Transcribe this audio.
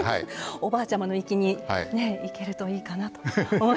おばあちゃまの域にいけるといいかなと思います。